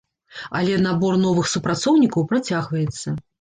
Але набор новых супрацоўнікаў працягваецца.